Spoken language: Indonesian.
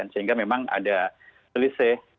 sehingga memang ada lise